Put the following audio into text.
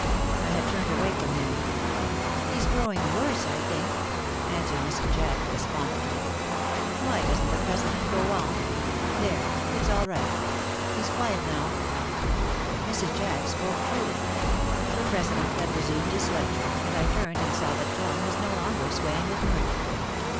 I had turned away from him. "He's growing worse, I think," answered Mrs. Jack, despondently. "Why doesn't the president go on? There, it's all right. He's quiet now." Mrs. Jack spoke truly. The president had resumed his lecture, and I turned and saw that Tom was no longer swaying with mirth.